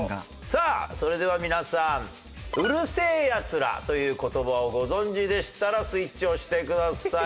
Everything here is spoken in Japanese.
さあそれでは皆さんうる星やつらという言葉をご存じでしたらスイッチを押してください。